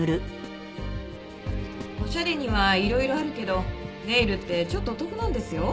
おしゃれにはいろいろあるけどネイルってちょっとお得なんですよ。